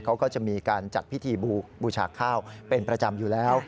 เขาก็จะมีการจัดพิธีบูชาข้าวเป็นประจำอยู่แล้ว